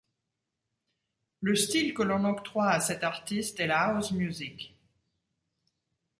Le style que l'on octroie à cet artiste est la house music.